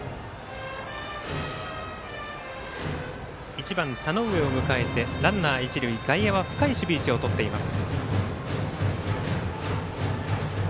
１番、田上を迎えて外野は深い守備位置をとっています。